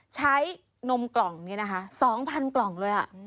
นมกล่องนี้นะคะ๒๐๐กล่องเลย